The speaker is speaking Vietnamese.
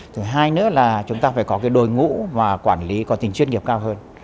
thứ hai nữa là chúng ta phải có đội ngũ và quản lý có tính chuyên nghiệp cao hơn